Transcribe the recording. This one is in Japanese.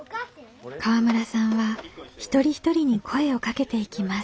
河村さんは一人一人に声をかけていきます。